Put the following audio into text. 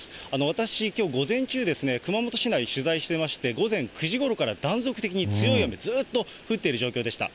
私、きょう午前中、熊本市内、取材してまして、午前９時ごろから断続的に強い雨、ずっと降っている状況でした。